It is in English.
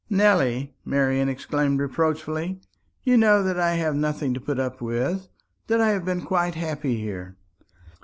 "Nelly," Marian exclaimed reproachfully, "you know that I have had nothing to put up with that I have been quite happy here."